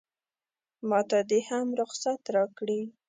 ماته دې هم رخصت راکړي.